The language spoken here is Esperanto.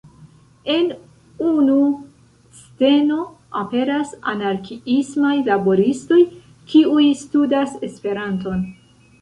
En unu sceno aperas anarkiismaj laboristoj, kiuj studas Esperanton.